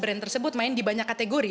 karena mereka main di banyak kategori